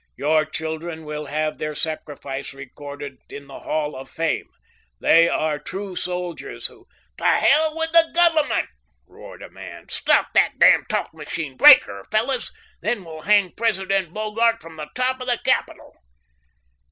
Your children will have their sacrifice recorded in the Hall of Fame. They are true soldiers who " "To hell with the Government!" roared a man. "Stop that damn talk machine! Break her, fellows! Then we'll hang President Bogart from the top of the Capitol!"